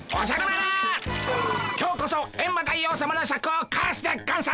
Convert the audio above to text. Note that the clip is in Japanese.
今日こそエンマ大王さまのシャクを返すでゴンス！